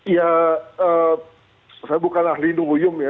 ya saya bukan ahli nunggu yum ya